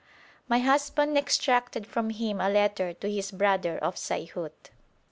My husband extracted from him a letter to his brother of Saihut.